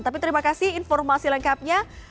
tapi terima kasih informasi lengkapnya